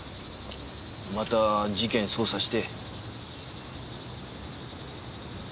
また事件捜査して。